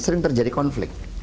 sering terjadi konflik